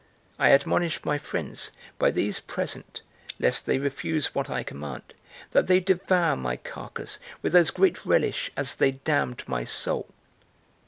I admonish my friends, by these presents, lest they refuse what I command, that they devour my carcass with as great relish as they damned my soul!"